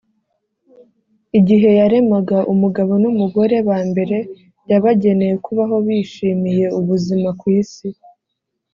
igihe yaremaga umugabo n’umugore ba mbere, yabageneye kubaho bishimiye ubuzima ku isi